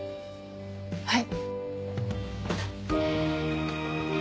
はい。